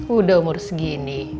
udah umur segini